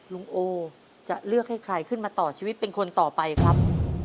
ลุงโอจะเลือกให้ใครขึ้นมาต่อชีวิตเป็นคนต่อไปครับ